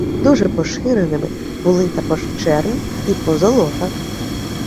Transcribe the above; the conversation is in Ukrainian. Дуже поширеними були також чернь і позолота.